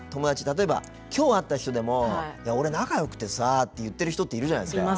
例えば、今日会った人でも「俺、仲よくてさ」って言ってる人っているじゃないですか。